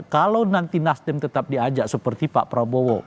kalau nanti nasdem tetap diajak seperti pak prabowo